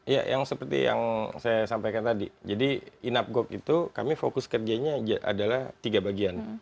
ya yang seperti yang saya sampaikan tadi jadi inapgop itu kami fokus kerjanya adalah tiga bagian